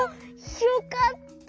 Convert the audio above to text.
よかった。